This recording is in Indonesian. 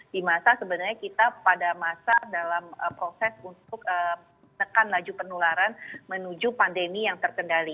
di masa sebenarnya kita pada masa dalam proses untuk menekan laju penularan menuju pandemi yang terkendali